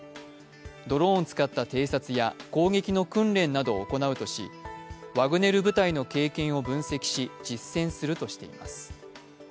ドローンを使った偵察や攻撃の訓練などを行うとしワグネル部隊の経験を分析し、実践するとしています。